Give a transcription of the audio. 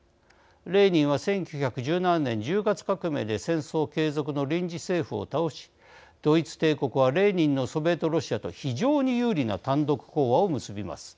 レーニンは１９１７年１０月革命で戦争継続の臨時政府を倒しドイツ帝国はレーニンのソビエトロシアと非常に有利な単独講和を結びます。